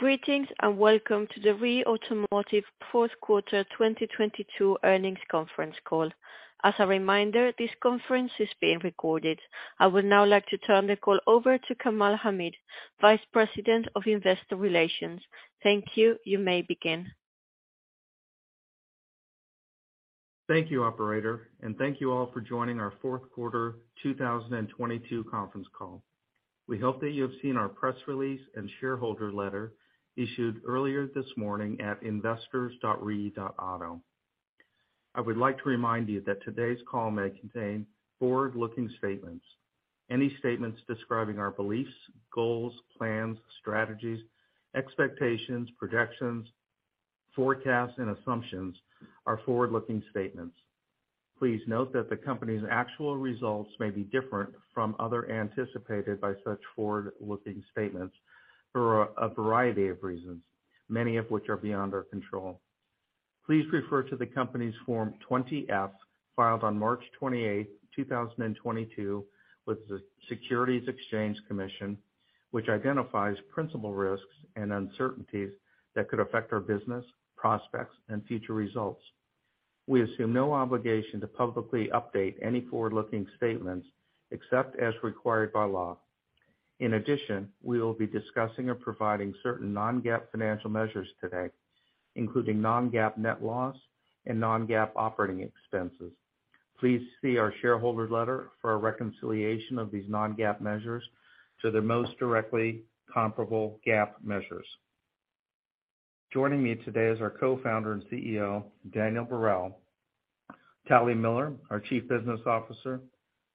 Greetings, welcome to the REE Automotive fourth quarter 2022 earnings conference call. As a reminder, this conference is being recorded. I would now like to turn the call over to Kamal Hamid, Vice President of Investor Relations. Thank you. You may begin. Thank you, operator, and thank you all for joining our fourth quarter 2022 conference call. We hope that you have seen our press release and shareholder letter issued earlier this morning at investors. REE.auto. I would like to remind you that today's call may contain forward-looking statements. Any statements describing our beliefs, goals, plans, strategies, expectations, projections, forecasts, and assumptions are forward-looking statements. Please note that the company's actual results may be different from other anticipated by such forward-looking statements for a variety of reasons, many of which are beyond our control. Please refer to the company's Form 20-F, filed on March 28, 2022 with the Securities and Exchange Commission, which identifies principal risks and uncertainties that could affect our business, prospects, and future results. We assume no obligation to publicly update any forward-looking statements except as required by law. In addition, we will be discussing or providing certain non-GAAP financial measures today, including non-GAAP net loss and non-GAAP operating expenses. Please see our shareholder letter for a reconciliation of these non-GAAP measures to the most directly comparable GAAP measures. Joining me today is our Co-Founder and CEO, Daniel Barel, Tali Miller, our Chief Business Officer,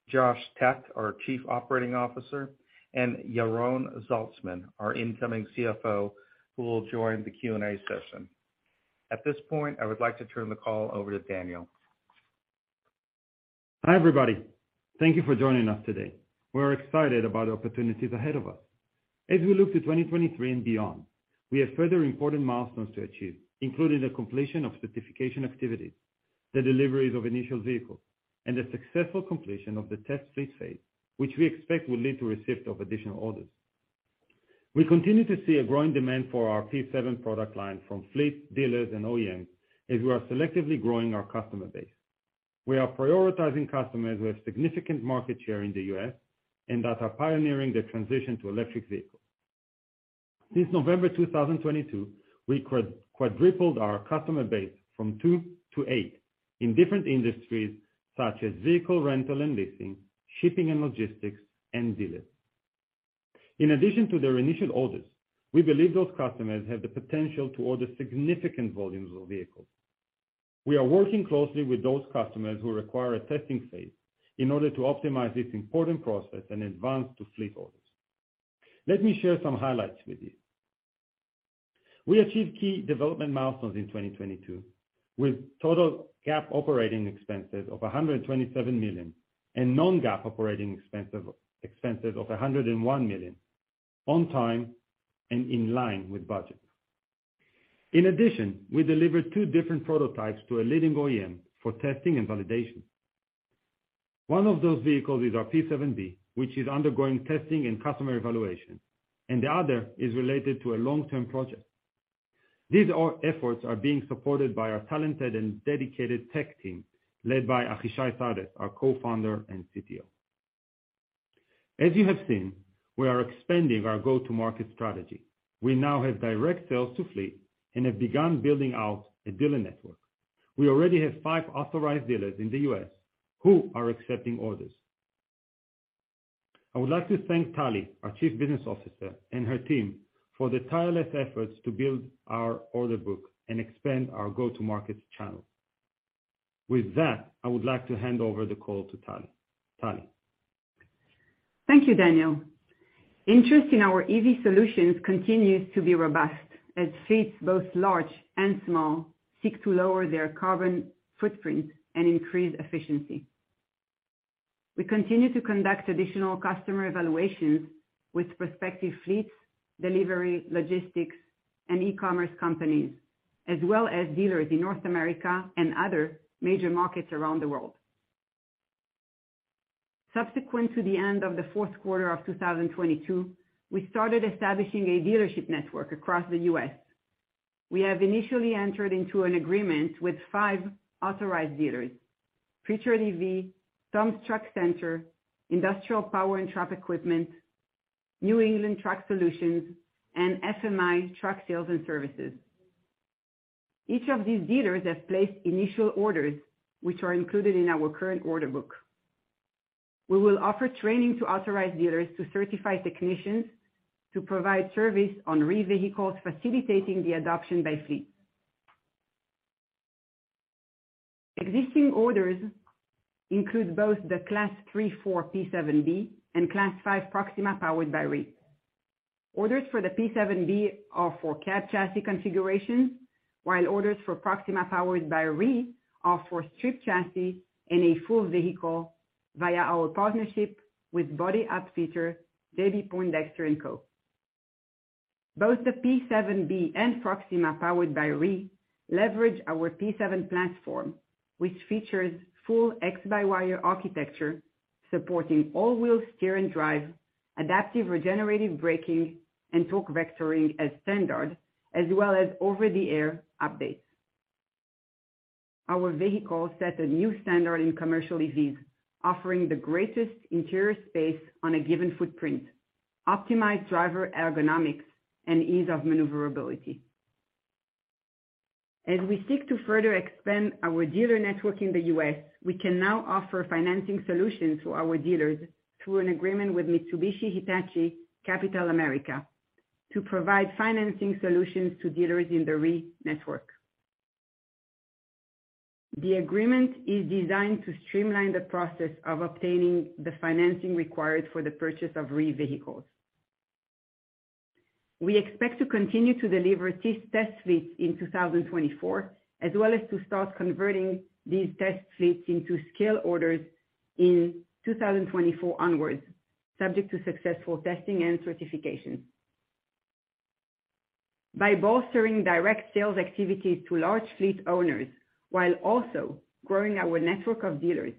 Josh Tech, our Chief Operating Officer, and Yaron Zaltsman, our incoming CFO, who will join the Q&A session. At this point, I would like to turn the call over to Daniel. Hi, everybody. Thank you for joining us today. We're excited about the opportunities ahead of us. As we look to 2023 and beyond, we have further important milestones to achieve, including the completion of specification activities, the deliveries of initial vehicles, and the successful completion of the test fleet phase, which we expect will lead to receipt of additional orders. We continue to see a growing demand for our P7 product line from fleet, dealers, and OEMs, as we are selectively growing our customer base. We are prioritizing customers with significant market share in the US and that are pioneering the transition to electric vehicles. Since November 2022, we quadrupled our customer base from two to eight in different industries such as vehicle rental and leasing, shipping and logistics, and dealers. In addition to their initial orders, we believe those customers have the potential to order significant volumes of vehicles. We are working closely with those customers who require a testing phase in order to optimize this important process and advance to fleet orders. Let me share some highlights with you. We achieved key development milestones in 2022, with total GAAP operating expenses of $127 million and non-GAAP operating expenses of $101 million on time and in line with budget. In addition, we delivered two different prototypes to a leading OEM for testing and validation. One of those vehicles is our P7-B, which is undergoing testing and customer evaluation, and the other is related to a long-term project. These efforts are being supported by our talented and dedicated tech team led by Ahishay Sardess, our Co-Founder and CTO. As you have seen, we are expanding our go-to-market strategy. We now have direct sales to fleet and have begun building out a dealer network. We already have five authorized dealers in the U.S. who are accepting orders. I would like to thank Tali, our Chief Business Officer, and her team for their tireless efforts to build our order book and expand our go-to-market channels. With that, I would like to hand over the call to Tali. Tali? Thank you, Daniel. Interest in our EV solutions continues to be robust as fleets, both large and small, seek to lower their carbon footprint and increase efficiency. We continue to conduct additional customer evaluations with prospective fleets, delivery, logistics, and e-commerce companies, as well as dealers in North America and other major markets around the world. Subsequent to the end of the fourth quarter of 2022, we started establishing a dealership network across the U.S. We have initially entered into an agreement with five authorized dealers: Future EV, Tom's Truck Center, Industrial Power & Truck Equipment, New England Truck Solutions, and SMI Truck Sales and Services. Each of these dealers have placed initial orders, which are included in our current order book. We will offer training to authorized dealers to certify technicians to provide service on REE vehicles, facilitating the adoption by fleet. Existing orders include both the Powered by REE. Orders for the P7-B are for cab chassis configurations, while orders for Proxima Powered by REE are for stripped chassis and a full vehicle via our partnership with body upfitter, JB Poindexter & Co. Both the P7-B and Proxima Powered by REE leverage our P7 platform, which features full x-by-wire architecture. Supporting all-wheel steer and drive, adaptive regenerative braking and torque vectoring as standard, as well as over-the-air updates. Our vehicle set a new standard in commercial EVs, offering the greatest interior space on a given footprint, optimized driver ergonomics, and ease of maneuverability. As we seek to further expand our dealer network in the U.S., we can now offer financing solutions to our dealers through an agreement with Mitsubishi HC Capital America to provide financing solutions to dealers in the REE network. The agreement is designed to streamline the process of obtaining the financing required for the purchase of REE vehicles. We expect to continue to deliver these test fleets in 2024, as well as to start converting these test fleets into scale orders in 2024 onwards, subject to successful testing and certification. By bolstering direct sales activities to large fleet owners while also growing our network of dealers,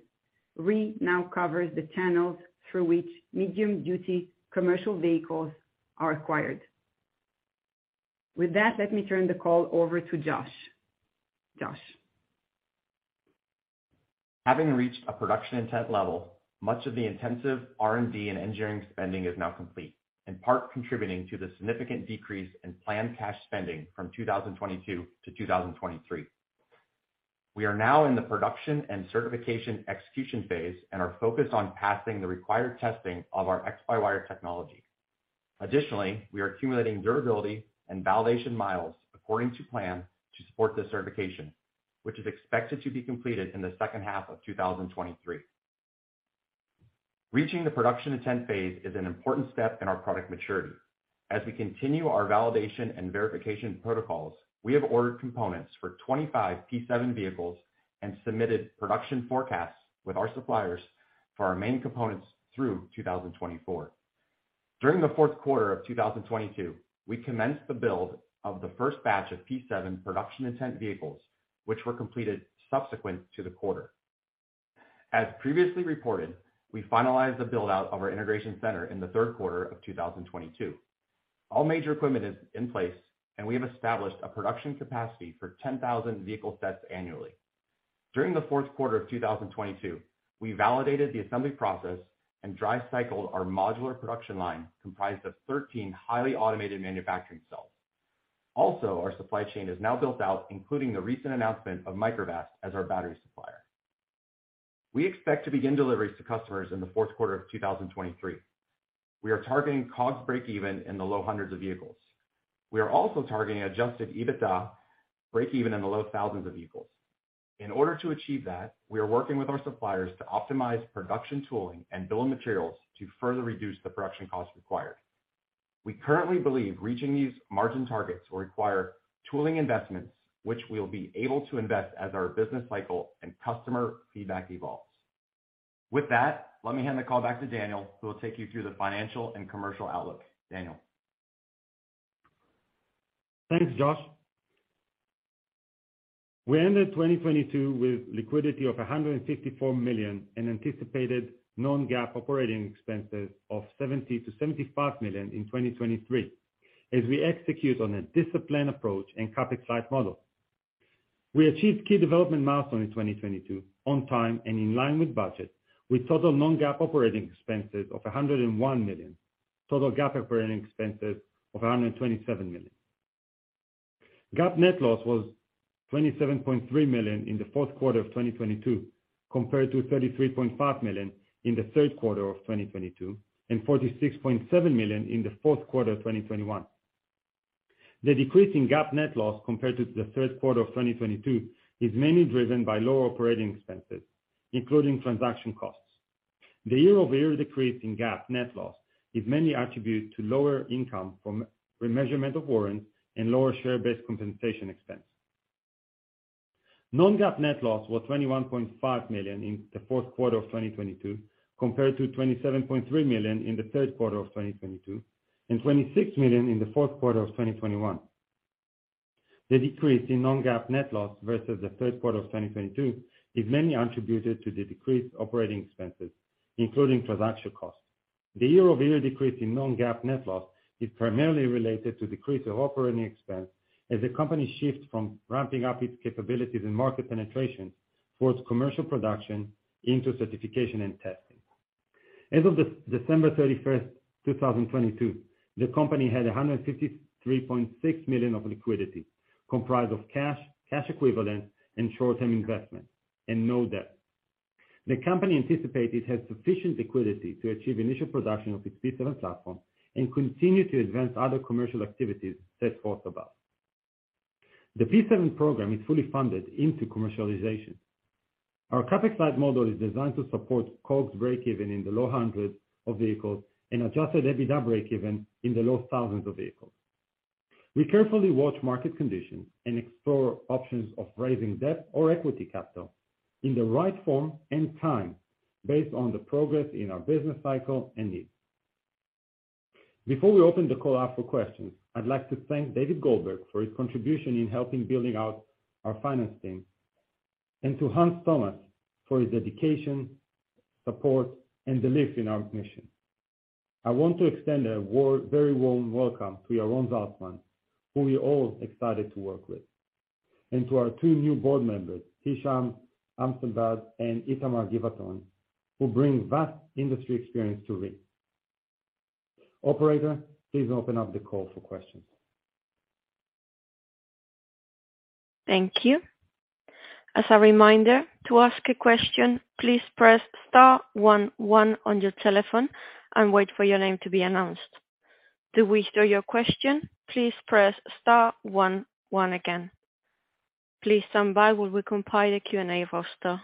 REE now covers the channels through which medium-duty commercial vehicles are acquired. With that, let me turn the call over to Josh. Josh. Having reached a production intent level, much of the intensive R&D and engineering spending is now complete, in part contributing to the significant decrease in planned cash spending from 2022 to 2023. We are now in the production and certification execution phase and are focused on passing the required testing of our x-by-wire technology. We are accumulating durability and validation miles according to plan to support the certification, which is expected to be completed in the second half of 2023. Reaching the production intent phase is an important step in our product maturity. As we continue our validation and verification protocols, we have ordered components for 25 P7 vehicles and submitted production forecasts with our suppliers for our main components through 2024. During the fourth quarter of 2022, we commenced the build of the first batch of P7 production intent vehicles, which were completed subsequent to the quarter. As previously reported, we finalized the build-out of our integration center in the third quarter of 2022. All major equipment is in place, we have established a production capacity for 10,000 vehicle sets annually. During the fourth quarter of 2022, we validated the assembly process and dry cycled our modular production line comprised of 13 highly automated manufacturing cells. Our supply chain is now built out, including the recent announcement of Microvast as our battery supplier. We expect to begin deliveries to customers in the fourth quarter of 2023. We are targeting COGS breakeven in the low hundreds of vehicles. We are also targeting Adjusted EBITDA breakeven in the low thousands of vehicles. In order to achieve that, we are working with our suppliers to optimize production tooling and bill of materials to further reduce the production cost required. We currently believe reaching these margin targets will require tooling investments, which we'll be able to invest as our business cycle and customer feedback evolves. Let me hand the call back to Daniel, who will take you through the financial and commercial outlook. Daniel. Thanks, Josh. We ended 2022 with liquidity of $154 million and anticipated non-GAAP operating expenses of $70 million-$75 million in 2023, as we execute on a disciplined approach and CapEx-light model. We achieved key development milestones in 2022 on time and in line with budget, with total non-GAAP operating expenses of $101 million, total GAAP operating expenses of $127 million. GAAP net loss was $27.3 million in the fourth quarter of 2022, compared to $33.5 million in the third quarter of 2022, and $46.7 million in the fourth quarter of 2021. The decrease in GAAP net loss compared to the third quarter of 2022 is mainly driven by lower operating expenses, including transaction costs. The year-over-year decrease in GAAP net loss is mainly attributed to lower income from remeasurement of warrants and lower share-based compensation expense. Non-GAAP net loss was $21.5 million in the fourth quarter of 2022, compared to $27.3 million in the third quarter of 2022, and $26 million in the fourth quarter of 2021. The decrease in non-GAAP net loss versus the third quarter of 2022 is mainly attributed to the decreased operating expenses, including transaction costs. The year-over-year decrease in non-GAAP net loss is primarily related to decrease of operating expense as the company shifts from ramping up its capabilities and market penetration for its commercial production into certification and testing. As of December 31st, 2022, the company had $153.6 million of liquidity, comprised of cash equivalents, and short-term investments and no debt. The company anticipates it has sufficient liquidity to achieve initial production of its P7 platform and continue to advance other commercial activities set forth above. The P7 program is fully funded into commercialization. Our CapEx-light model is designed to support COGS breakeven in the low hundreds of vehicles and Adjusted EBITDA breakeven in the low thousands of vehicles. We carefully watch market conditions and explore options of raising debt or equity capital in the right form and time based on the progress in our business cycle and needs. Before we open the call up for questions, I'd like to thank David Goldberg for his contribution in helping building out our finance team and to Hans Thomas for his dedication, support, and belief in our mission. I want to extend a very warm welcome to Yaron Zaltsman, who we're all excited to work with, and to our two new board members, Hicham Abdessamad and Ittamar Givton, who bring vast industry experience to REE. Operator, please open up the call for questions. Thank you. As a reminder, to ask a question, please press star one one on your telephone and wait for your name to be announced. To withdraw your question, please press star one one again. Please stand by while we compile a Q&A roster.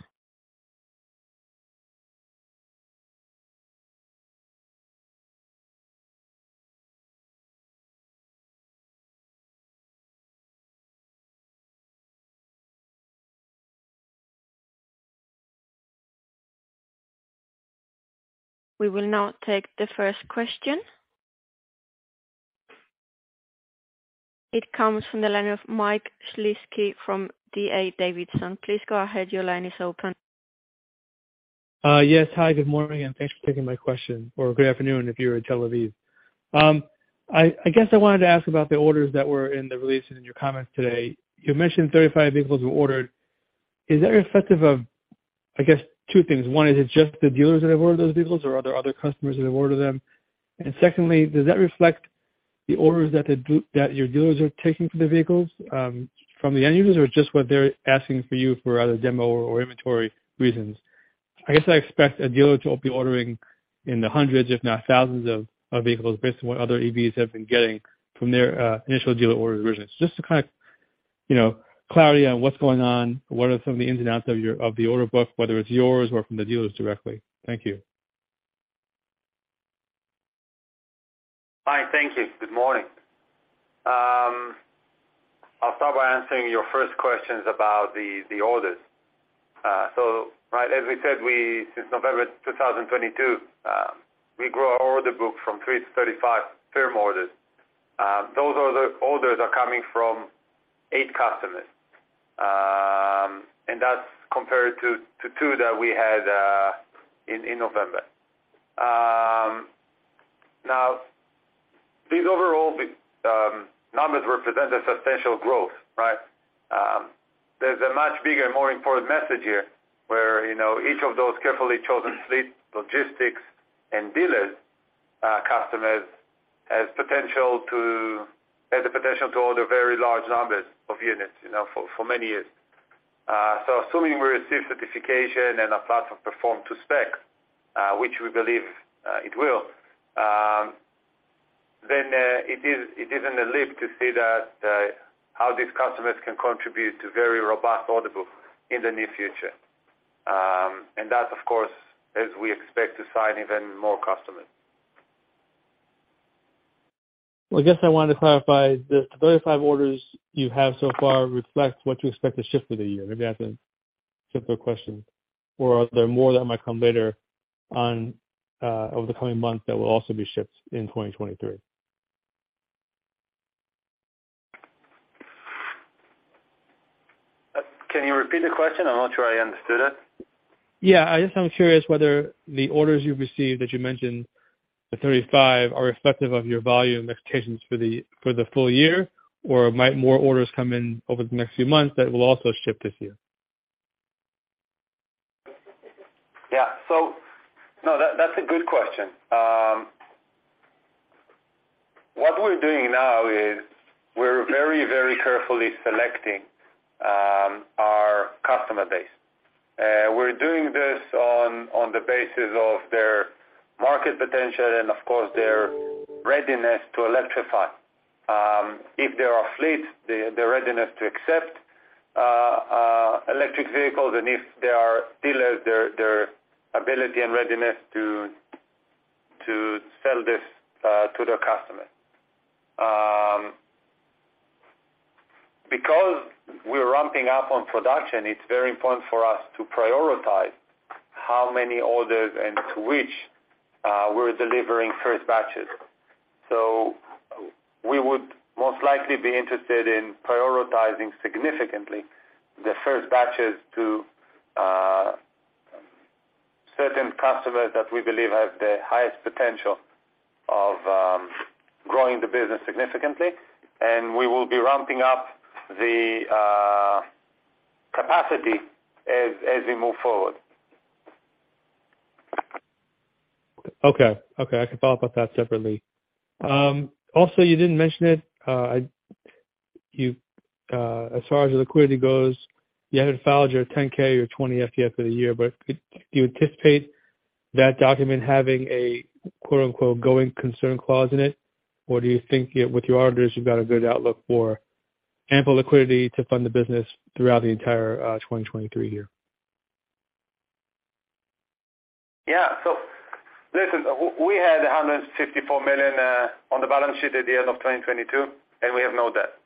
We will now take the first question. It comes from the line of Mike Shlisky from D.A. Davidson. Please go ahead. Your line is open. Yes. Hi, good morning, and thanks for taking my question. Good afternoon if you're in Tel Aviv. I guess I wanted to ask about the orders that were in the release and in your comments today. You mentioned 35 vehicles were ordered. Is that reflective of, I guess, two things? One, is it just the dealers that have ordered those vehicles or are there other customers that have ordered them? Secondly, does that reflect the orders that your dealers are taking for the vehicles from the end users or just what they're asking for you for either demo or inventory reasons? I guess I expect a dealer to be ordering in the hundreds if not thousands of vehicles based on what other EVs have been getting from their initial dealer orders originally. Just to kind of, you know, clarity on what's going on, what are some of the ins and outs of the order book, whether it's yours or from the dealers directly. Thank you. Hi. Thank you. Good morning. I'll start by answering your first questions about the orders. Right as we said, since November 2022, we grew our order book from 3 to 35 firm orders. Those are the orders coming from eight customers, and that's compared to two that we had in November. Now these overall numbers represent a substantial growth, right? There's a much bigger and more important message here where, you know, each of those carefully chosen fleet logistics and dealers customers has the potential to order very large numbers of units, you know, for many years. Assuming we receive certification and our platform perform to spec, which we believe it will, then it isn't a leap to see that how these customers can contribute to very robust order book in the near future. That of course is we expect to sign even more customers. I guess I wanted to clarify if the 35 orders you have so far reflect what you expect to ship for the year? Maybe that's a simpler question. Are there more that might come later on, over the coming months that will also be shipped in 2023? Can you repeat the question? I'm not sure I understood it. Yeah. I just am curious whether the orders you've received that you mentioned, the 35, are reflective of your volume expectations for the full year, or might more orders come in over the next few months that will also ship this year? No, that's a good question. What we're doing now is we're very, very carefully selecting our customer base. We're doing this on the basis of their market potential and of course their readiness to electrify. If they are fleet, the readiness to accept electric vehicles and if they are dealers, their ability and readiness to sell this to their customers. Because we're ramping up on production it's very important for us to prioritize how many orders and to which we're delivering first batches. We would most likely be interested in prioritizing significantly the first batches to certain customers that we believe have the highest potential of growing the business significantly, and we will be ramping up the capacity as we move forward. Okay. Okay, I can follow up with that separately. Also you didn't mention it, you, as far as liquidity goes, you haven't filed your 10-K or 20-F for the year. Do you anticipate that document having a quote unquote going concern clause in it? Do you think with your orders you've got a good outlook for ample liquidity to fund the business throughout the entire 2023 year? Yeah. Listen, we had $154 million on the balance sheet at the end of 2022, and we have no debt.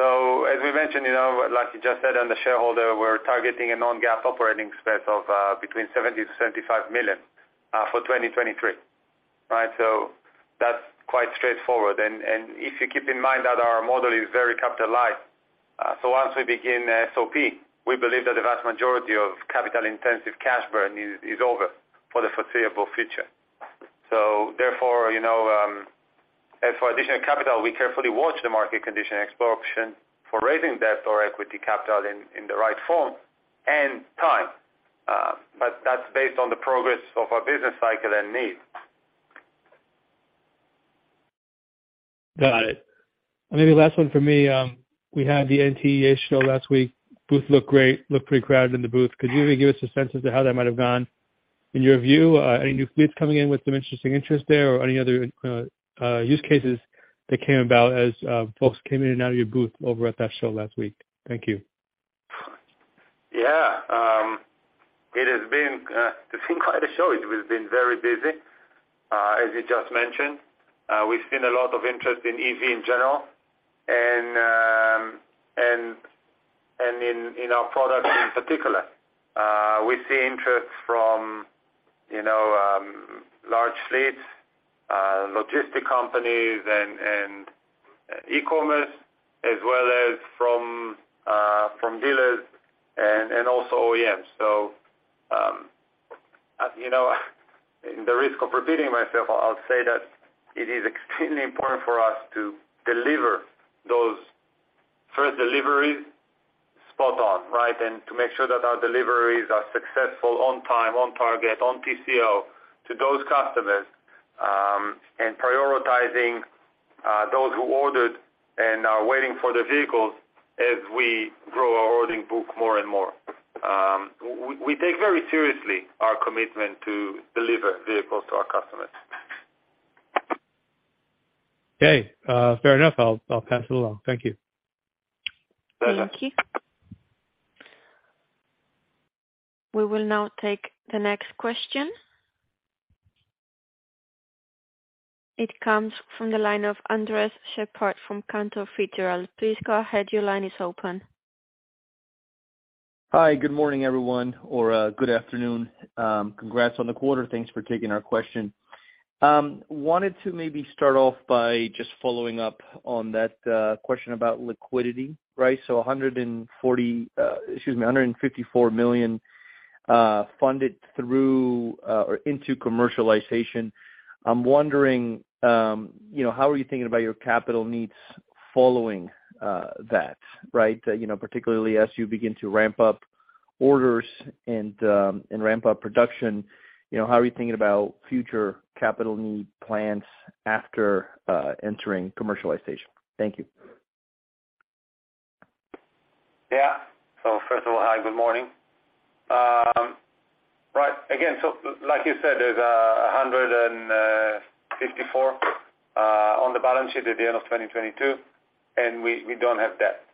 As we mentioned, you know, like you just said on the shareholder, we're targeting a non-GAAP operating expense of between $70 million-$75 million for 2023, right? That's quite straightforward. If you keep in mind that our model is very capital light, so once we begin SOP, we believe that the vast majority of capital-intensive cash burn is over for the foreseeable future. Therefore, you know, as for additional capital, we carefully watch the market condition exploration for raising debt or equity capital in the right form and time. That's based on the progress of our business cycle and needs. Got it. Maybe last one for me. We had the NTEA show last week. Booth looked great, looked pretty crowded in the booth. Could you maybe give us a sense as to how that might have gone in your view? Any new fleets coming in with some interesting interest there or any other use cases that came about as folks came in and out of your booth over at that show last week? Thank you. Yeah. It has been, it's been quite a show. It has been very busy. As you just mentioned, we've seen a lot of interest in EV in general and in our products in particular. We see interest from, you know, large fleets, logistic companies and e-commerce as well as from dealers and also OEMs. As you know, at the risk of repeating myself, I'll say that it is extremely important for us to deliver those first deliveries spot on, right? To make sure that our deliveries are successful on time, on target, on spec to those customers, and prioritizing those who ordered and are waiting for the vehicles as we grow our ordering book more and more. We take very seriously our commitment to deliver vehicles to our customers. Fair enough. I'll pass it along. Thank you. You're welcome. Thank you. We will now take the next question. It comes from the line of Andres Sheppard from Cantor Fitzgerald. Please go ahead. Your line is open. Hi. Good morning, everyone, or, good afternoon. Congrats on the quarter. Thanks for taking our question. Wanted to maybe start off by just following up on that question about liquidity, right? So $140, excuse me, $154 million funded through or into commercialization. I'm wondering, you know, how are you thinking about your capital needs following that, right? You know, particularly as you begin to ramp up orders and ramp up production, you know, how are you thinking about future capital need plans after entering commercialization? Thank you. Yeah. Hi, good morning. Right. Again, like you said, there's $154 on the balance sheet at the end of 2022, and we don't have debt.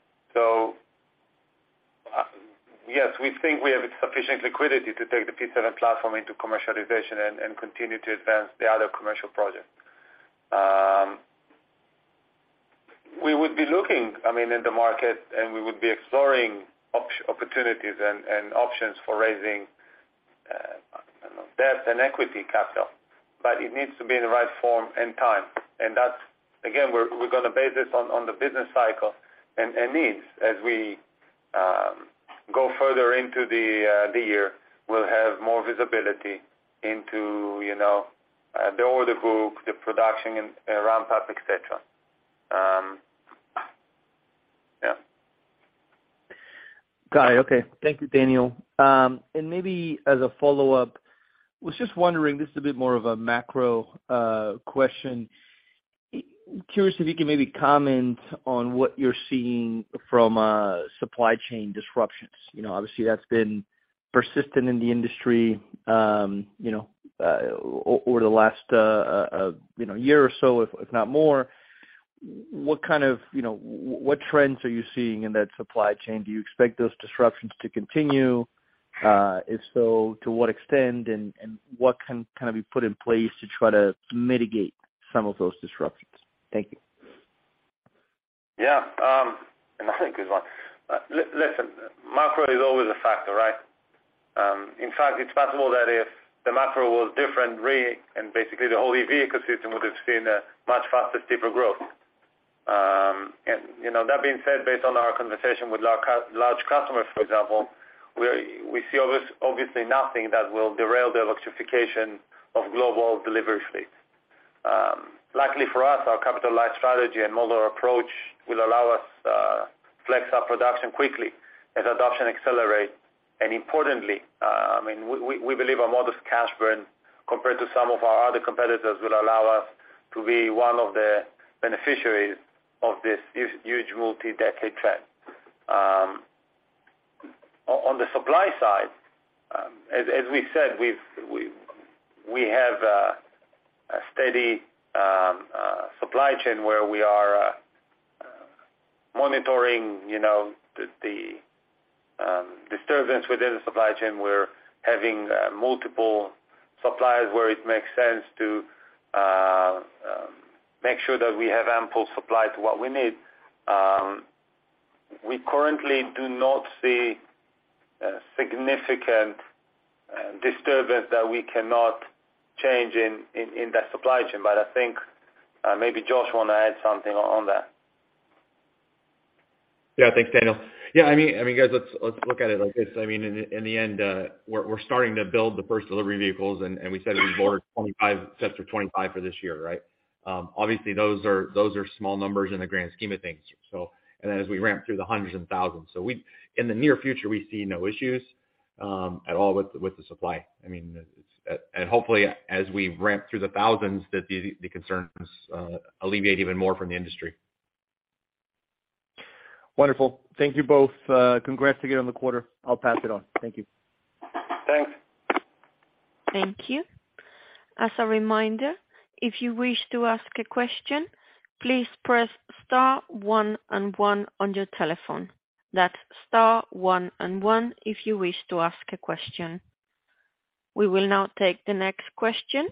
Yes, we think we have sufficient liquidity to take the P7 platform into commercialization and continue to advance the other commercial projects. We would be looking, I mean, in the market, we would be exploring opportunities and options for raising, I don't know, debt and equity capital. It needs to be in the right form and time. That's again, we're gonna base this on the business cycle and needs. As we go further into the year, we'll have more visibility into, you know, the order group, the production and ramp up, et cetera. Yeah. Got it. Okay. Thank you, Daniel. Maybe as a follow-up, was just wondering, this is a bit more of a macro question. Curious if you can maybe comment on what you're seeing from supply chain disruptions. You know, obviously that's been persistent in the industry, you know, over the last, you know, year or so if not more. What kind of, you know, what trends are you seeing in that supply chain? Do you expect those disruptions to continue? If so, to what extent? What can kind of be put in place to try to mitigate some of those disruptions? Thank you. Yeah. Another good one. Listen, macro is always a factor, right? In fact, it's possible that if the macro was different really, and basically the whole EV ecosystem, we could have seen a much faster, steeper growth. You know, that being said, based on our conversation with large customers, for example, we see obviously nothing that will derail the electrification of global delivery fleets. Luckily for us, our capital light strategy and modular approach will allow us flex our production quickly as adoption accelerates. Importantly, I mean, we believe our modest cash burn compared to some of our other competitors, will allow us to be one of the beneficiaries of this huge multi-decade trend. On the supply side, as we said, we have a steady supply chain where we are monitoring, you know, the disturbance within the supply chain. We're having multiple suppliers where it makes sense to make sure that we have ample supply to what we need. We currently do not see a significant disturbance that we cannot change in that supply chain. I think maybe Josh wanna add something on that. Thanks, Daniel. I mean, guys, let's look at it like this. I mean, in the end, we're starting to build the first delivery vehicles, and we said we ordered 25 sets for 25 for this year, right? Obviously, those are small numbers in the grand scheme of things. Then as we ramp through the hundreds and thousands. In the near future, we see no issues at all with the supply. I mean, it's. Hopefully as we ramp through the thousands, that the concerns alleviate even more from the industry. Wonderful. Thank you both. Congrats again on the quarter. I'll pass it on. Thank you. Thanks. Thank you. As a reminder, if you wish to ask a question, please press star one and one on your telephone. That's star one and one if you wish to ask a question. We will now take the next question.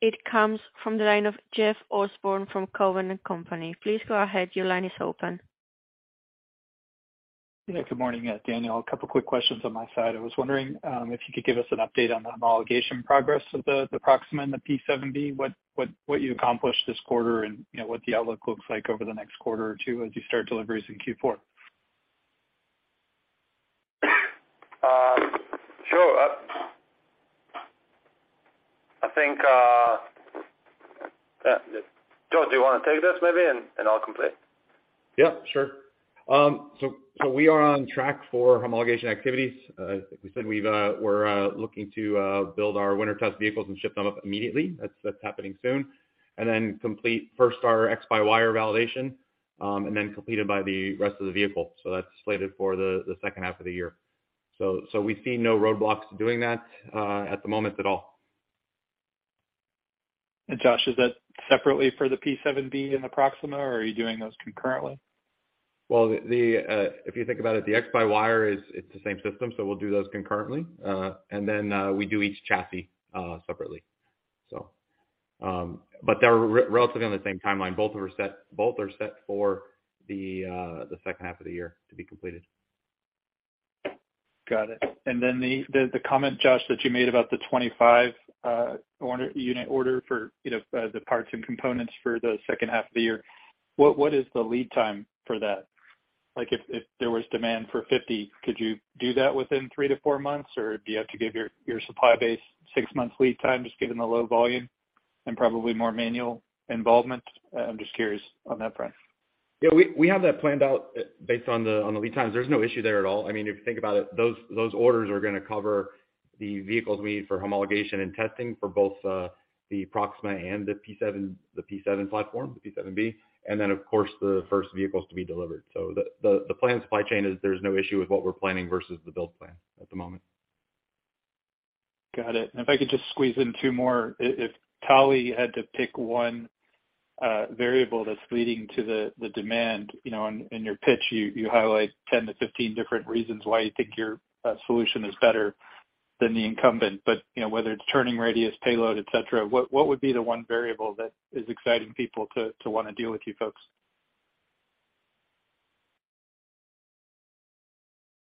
It comes from the line of Jeff Osborne from Cowen and Company. Please go ahead. Your line is open. Yeah, good morning, Daniel. A couple quick questions on my side. I was wondering if you could give us an update on the homologation progress of the Proxima and the P7-B, what you accomplished this quarter and, you know, what the outlook looks like over the next quarter or two as you start deliveries in Q4? Sure. I think Josh, do you wanna take this maybe, and I'll complete? Yeah, sure. So we are on track for homologation activities. Like we said, we've, we're looking to build our winter test vehicles and ship them up immediately. That's happening soon. Then complete first our X-by-wire validation, and then completed by the rest of the vehicle. That's slated for the second half of the year. We see no roadblocks doing that at the moment at all. Josh, is that separately for the P7-B and the Proxima, or are you doing those concurrently? The, if you think about it, the x-by-wire is, it's the same system, so we'll do those concurrently. We do each chassis separately. But they're relatively on the same timeline. Both are set for the second half of the year to be completed. Got it. The comment, Josh, that you made about the 25 order, unit order for, you know, the parts and components for the second half of the year, what is the lead time for that? Like, if there was demand for 50, could you do that within 3-4 months, or do you have to give your supply base 6 months lead time just given the low volume and probably more manual involvement? I'm just curious on that front. Yeah, we have that planned out based on the lead times. There's no issue there at all. I mean, if you think about it, those orders are gonna cover the vehicles we need for homologation and testing for both the Proxima and the P7, the P7 platform, the P7-B, and then of course the first vehicles to be delivered. The planned supply chain is there's no issue with what we're planning versus the build plan at the moment. Got it. If I could just squeeze in two more. If Tali had to pick one variable that's leading to the demand, you know in your pitch, you highlight 10 to 15 different reasons why you think your solution is better than the incumbent. You know, whether it's turning radius, payload, et cetera, what would be the one variable that is exciting people to wanna deal with you folks?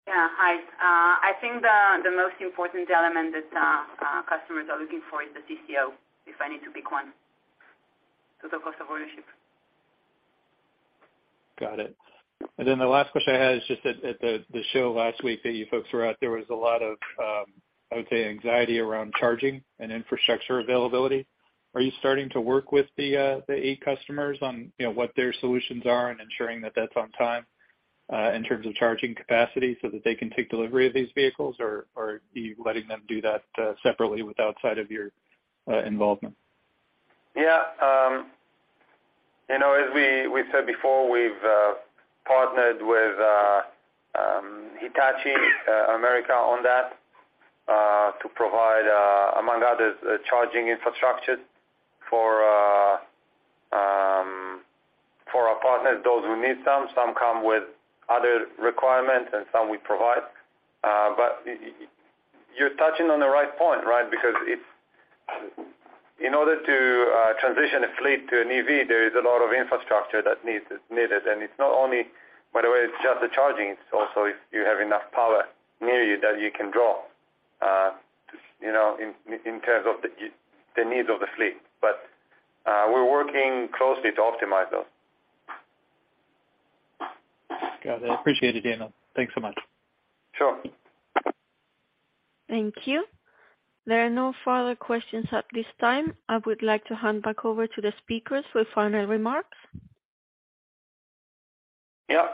Yeah. Hi. I think the most important element that customers are looking for is the TCO, if I need to pick one. The cost of ownership. Got it. The last question I had is just at the show last week that you folks were at, there was a lot of, I would say, anxiety around charging and infrastructure availability. Are you starting to work with the eight customers on, you know, what their solutions are and ensuring that that's on time, in terms of charging capacity so that they can take delivery of these vehicles? Or are you letting them do that, separately with outside of your involvement? Yeah. You know, as we said before, we've partnered with Hitachi America on that to provide among others, a charging infrastructure for our partners, those who need some. Some come with other requirements and some we provide. You're touching on the right point, right? Because it's. In order to transition a fleet to an EV, there is a lot of infrastructure that is needed. It's not only, by the way, it's just the charging. It's also if you have enough power near you that you can draw, you know, in terms of the needs of the fleet. We're working closely to optimize those. Got it. I appreciate it, Daniel. Thanks so much. Sure. Thank you. There are no further questions at this time. I would like to hand back over to the speakers for final remarks. Yeah.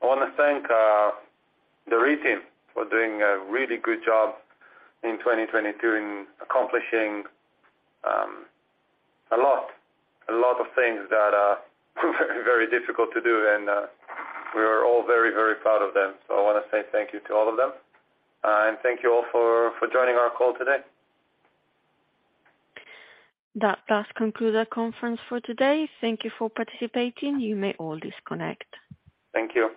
I wanna thank the Ree Team for doing a really good job in 2022 in accomplishing a lot of things that are very, very difficult to do, and we are all very, very proud of them. I wanna say thank you to all of them. Thank you all for joining our call today. That does conclude our conference for today. Thank you for participating. You may all disconnect. Thank you.